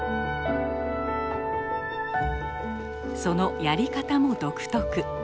そのやり方も独特。